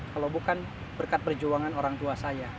kalau bukan berkat perjuangan orang tua saya